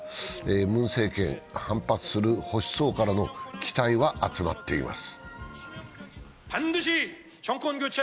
ムン政権は反発する保守層からの保守層からの期待は集まっています。